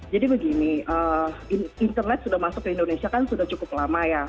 jadi begini internet sudah masuk ke indonesia kan sudah cukup lama ya